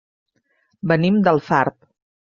Venim d'Alfarb.